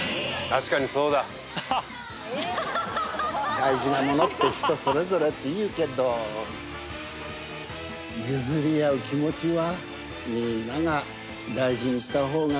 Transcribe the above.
大事なものって人それぞれっていうけど譲り合う気持ちはみんなが大事にした方がいいわよね。